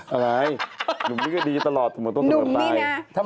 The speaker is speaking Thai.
อะไรหนุ่มนี่ก็ดีตลอดสมมติว่าต้นเทอมตายหนุ่มนี่นะ